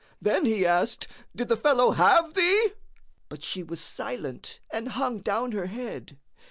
Then he asked,:—Did the fellow have thee? but she was silent and hung down her head.